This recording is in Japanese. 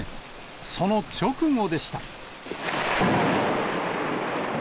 その直後でした。